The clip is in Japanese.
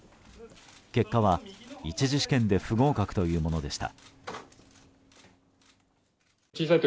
結果は、１次試験で不合格というものでした。